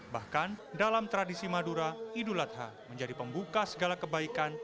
bahkan dalam tradisi madura idul adha menjadi pembuka segala kebaikan